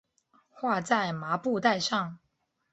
画在麻布袋上